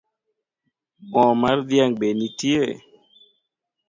Mo mar dhiang’ be nitie?